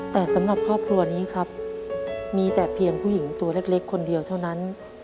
แต่สำหรับครอบครัวนี้ครับมีแต่เพียงผู้หญิงตัวเล็กคนเดียวเท่านั้น